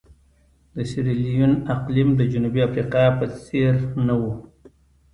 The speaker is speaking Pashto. د سیریلیون اقلیم د جنوبي افریقا په څېر نه وو.